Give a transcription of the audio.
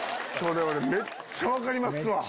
俺めっちゃ分かりますわ。